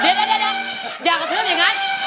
เดี๋ยวอย่ากระทืบอย่างนั้น